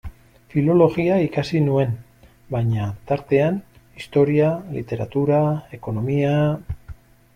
Filologia ikasi nuen, baina, tartean, historia, literatura, ekonomia...